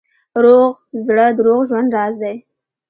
روغ زړه د روغ ژوند راز دی.